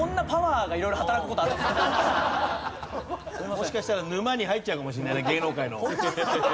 もしかしたら沼に入っちゃうかもしれないな芸能界の。